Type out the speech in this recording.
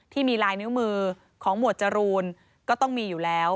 ที่มีลายนิ้วมือของหมวดจรูนก็ต้องมีอยู่แล้ว